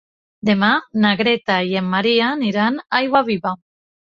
Demà na Greta i en Maria aniran a Aiguaviva.